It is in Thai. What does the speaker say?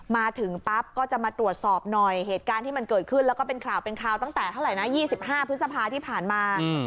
มาถึงปั๊บก็จะมาตรวจสอบหน่อยเหตุการณ์ที่มันเกิดขึ้นแล้วก็เป็นข่าวเป็นข่าวตั้งแต่เท่าไหร่นะ๒๕พฤษภาที่ผ่านมา